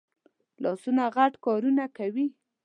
لاسونه غټ کارونه کوي